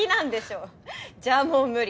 じゃあもう無理